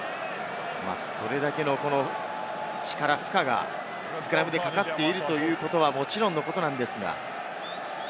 それだけの力、負荷がスクラムでかかっているということはもちろん。